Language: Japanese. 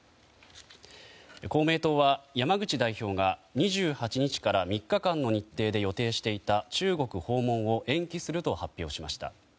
公明党は山口代表が２８日から３日間の日程で予定していた中国訪問を延期すると発表しました。